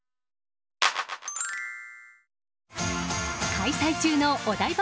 開催中のお台場